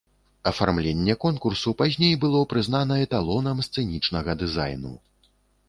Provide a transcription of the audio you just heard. Афармленне конкурсу пазней было прызнана эталонам сцэнічнага дызайну.